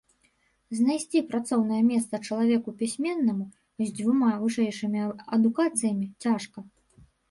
Знайсці працоўнае месца чалавеку пісьменнаму, з дзвюма вышэйшымі адукацыямі цяжка.